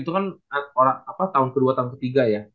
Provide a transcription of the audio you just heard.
itu kan tahun ke dua tahun ke tiga ya